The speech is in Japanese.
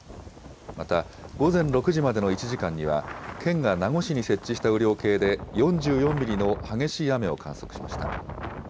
また午前６時までの１時間には、県が名護市に設置した雨量計で４４ミリの激しい雨を観測しました。